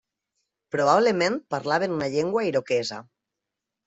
Probablement parlaven una llengua iroquesa.